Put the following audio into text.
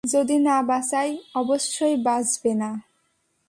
যদি না বাঁচাই, অবশ্যই বাঁচবে না।